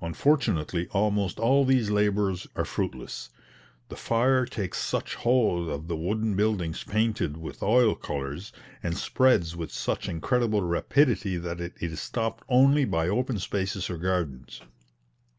Unfortunately almost all these labours are fruitless. The fire takes such hold of the wooden buildings painted with oil colours, and spreads with such incredible rapidity that it is stopped only by open spaces or gardens.